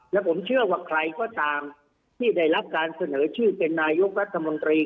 และผมเชื่อว่าใครก็ตามที่ได้รับการเสนอชื่อเป็นนายกรัฐมนตรี